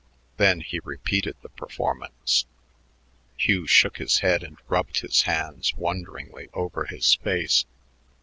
Then he repeated the performance. Hugh shook his head and rubbed his hands wonderingly over his face.